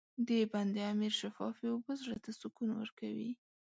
د بند امیر شفافې اوبه زړه ته سکون ورکوي.